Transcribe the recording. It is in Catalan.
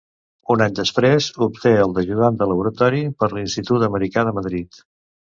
Un any després, obté el d'ajudant de laboratori per l'Institut Americà de Madrid.